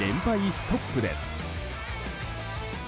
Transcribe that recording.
ストップです。